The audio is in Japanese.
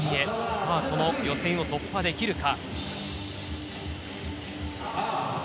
さあ、この予選を突破できるか。